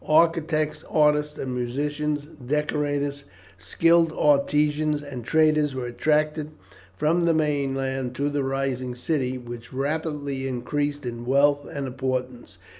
Architects, artists, and musicians, decorators, skilled artisans, and traders were attracted from the mainland to the rising city, which rapidly increased in wealth and importance.